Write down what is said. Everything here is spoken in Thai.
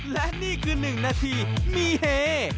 และนี่คือ๑นาทีมีเฮ